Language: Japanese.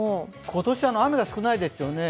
今年、雨が少ないですよね。